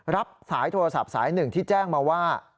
รับสายโทรศัพท์สายหนึ่งที่แจ้งมาว่า